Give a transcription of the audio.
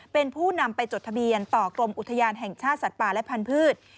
เป็นผู้นำไปจดทะเบียนต่อกรมอุทยานแห่งชาติสัตว์ป่าและพันธุ์